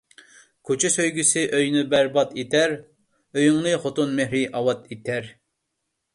كوچا سۆيگۈسى ئۆينى بەرباد ئېتەر، ئۆيۈڭنى خوتۇن مېھرى ئاۋات ئېتەر